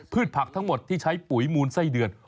ผักทั้งหมดที่ใช้ปุ๋ยมูลไส้เดือน